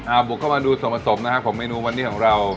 เอาบุกเข้ามาดูส่วนผสมนะครับของเมนูวันนี้ของเรา